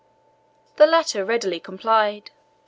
The latter readily complied.